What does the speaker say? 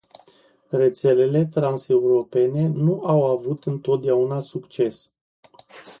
Rețelele transeuropene nu au avut întotdeauna succes.